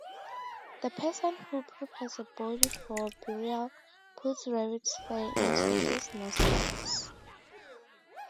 The person who prepares a body for burial puts rabbit's fur into his nostrils.